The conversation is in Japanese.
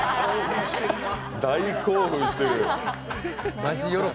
大興奮してる。